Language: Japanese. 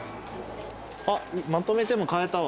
あっまとめても買えたわ。